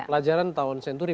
pelajaran tahun senturi